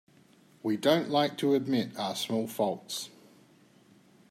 We don't like to admit our small faults.